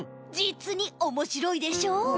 じつにおもしろいでしょう？